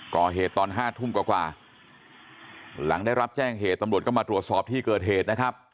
ก่อเหตุตอน๕ทุ่มกว่าหลังได้รับแจ้งเหตุตำรวจก็มาตรวจสอบที่เกิดเหตุนะครับ